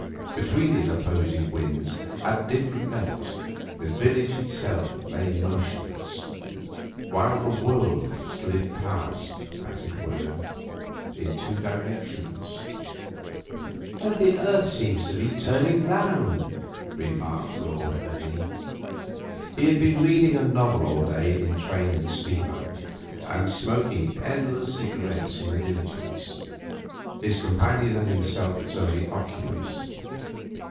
Between these opposing winds at different levels the village itself lay motionless, while the world slid past, as it were, in two directions. 'The earth seems turning round,' remarked Lord Ernie. He had been reading a novel all day in train and steamer, and smoking endless cigarettes in the diligence, his companion and himself its only occupants.